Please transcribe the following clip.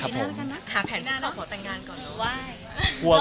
หาแผนของพ่อแต่งงานก่อน